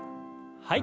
はい。